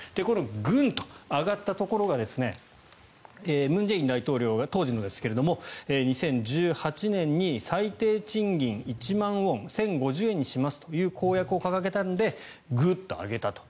グンと上がったところが文在寅大統領、当時のですが２０１８年に最低賃金１万ウォン１０５０円にしますという公約を掲げたのでグッと上げたと。